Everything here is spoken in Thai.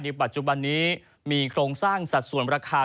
ปัจจุบันนี้มีโครงสร้างสัดส่วนราคา